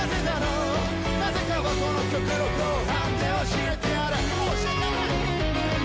「なぜかはこの曲の後半で教えてやる」教えてやる！